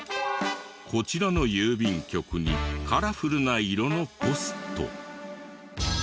こちらの郵便局にカラフルな色のポスト。